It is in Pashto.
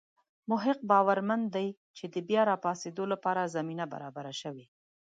مح ق باورمن دی چې د بیا راپاڅېدو لپاره زمینه برابره شوې.